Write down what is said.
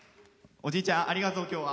おじいちゃんありがとう、きょうは。